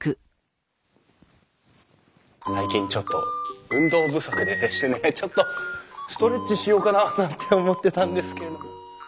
最近ちょっと運動不足でしてねちょっとストレッチしようかななんて思ってたんですけれども。